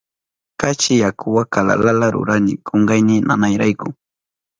Kachi yakuwa kalalala rurani kunkayni nanayrayku.